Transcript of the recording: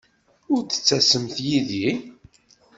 Ur d-ttasemt yid-i?